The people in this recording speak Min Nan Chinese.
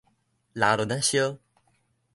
拉圇仔燒